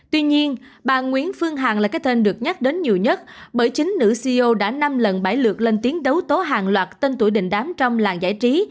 tuy nhiên bà nguyễn phương hằng là cái tên được nhắc đến nhiều nhất bởi chính nữ ceo đã năm lần bãi lược lên tiếng đấu tố hàng loạt tên tuổi đình đám trong làng giải trí